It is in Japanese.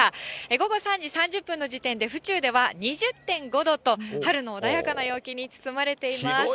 午後３時３０分の時点で、府中では２０．５度と、春の穏やかな陽気に包まれています。